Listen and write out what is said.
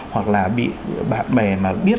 hoặc là bị bạn bè mà biết